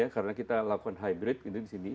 karena kita lakukan hybrid di sini